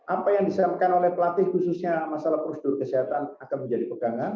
apa yang disampaikan oleh pelatih khususnya masalah prosedur kesehatan akan menjadi pegangan